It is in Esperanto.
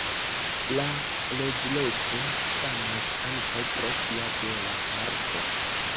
La loĝloko famas ankaŭ pro sia bela parko.